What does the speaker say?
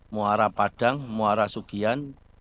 muara padang muara sugian